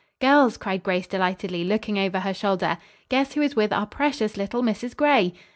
"Girls!" cried Grace delightedly, looking over her shoulder, "guess who is with our precious little Mrs. Gray?"